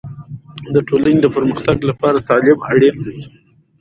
د ټولنې د پرمختګ لپاره تعلیم اړین دی.